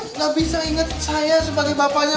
tidak bisa ingat saya sebagai bapanya